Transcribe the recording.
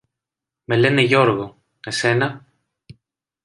Με λένε Γιώργο. Εσένα;